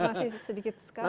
masih sedikit sekali ya